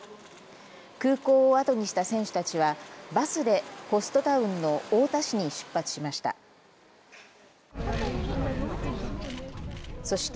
空港を後にした選手たちはバスでホストタウンの太田市に出発しました。